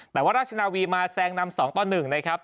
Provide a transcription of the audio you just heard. แต่ว่าราชนาวีมาแซงนำ๒ต่อ๑นะครับ